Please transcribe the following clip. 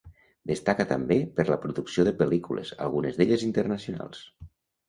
Destaca també per la producció de pel·lícules, algunes d'elles internacionals.